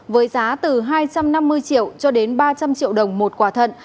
với giá từ hai trăm năm mươi triệu cho đến ba trăm linh triệu đồng một quả thận